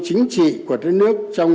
chính trị của đất nước trong